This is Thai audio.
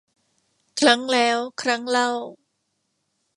ครั้งแล้วครั้งเล่า